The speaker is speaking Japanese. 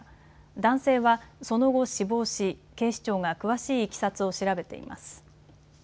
男性は、その後死亡し、警視庁が詳しいいきさつを調べています。